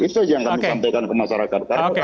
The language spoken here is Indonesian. itu yang kami sampaikan ke masyarakat